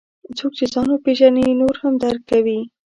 څوک چې ځان وپېژني، نور هم درک کوي.